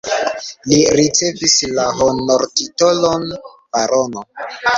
Li ricevis la honortitolon barono.